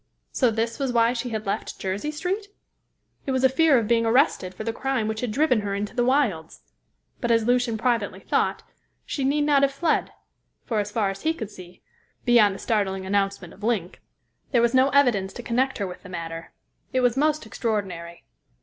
So this was why she had left Jersey Street? It was a fear of being arrested for the crime which had driven her into the wilds. But, as Lucian privately thought, she need not have fled, for so far as he could see beyond the startling announcement of Link, there was no evidence to connect her with the matter. It was most extraordinary.